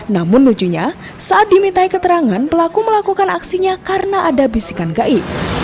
namun lucunya saat dimintai keterangan pelaku melakukan aksinya karena ada bisikan gai